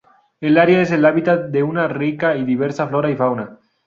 El área es el hábitat de una rica y diversa flora y fauna.